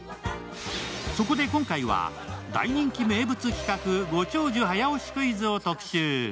そこで今回は大人気名物企画、「ご長寿早押しクイズ」を特集。